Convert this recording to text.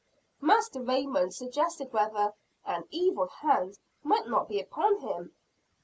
Master Raymond suggested whether "an evil hand" might not be upon him.